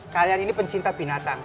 kalian ini pencinta binatang